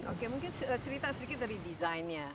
oke mungkin cerita sedikit dari desainnya